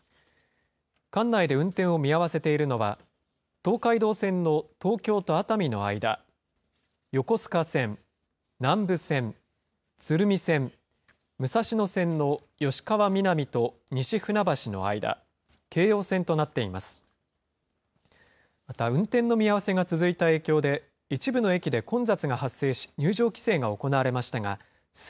管内で運転を見合わせているのは、東海道線の東京と熱海の間、横須賀線、南武線、鶴見線、武蔵野線の吉川美南と西船橋の間、京葉線となっています。